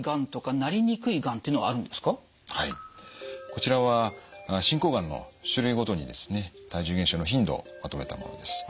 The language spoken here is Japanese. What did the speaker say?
こちらは進行がんの種類ごとにですね体重減少の頻度をまとめたものです。